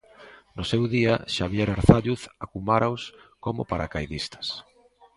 No seu día Xabier Arzalluz alcumáraos como paracaidistas.